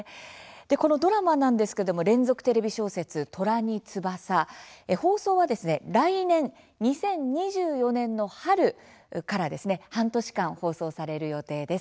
このドラマなんですけれども連続テレビ小説「虎に翼」放送は来年２０２４年の春から半年間、放送される予定です。